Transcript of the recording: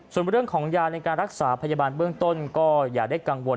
ส่วนเรื่องของยาในการรักษาพยาบาลเบื้องต้นก็อย่าได้กังวล